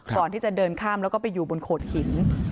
ก่อนที่จะเดินข้ามแล้วก็ไปอยู่บนโขดหิน